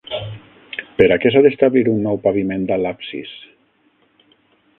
Per a què s'ha d'establir un nou paviment a l'absis?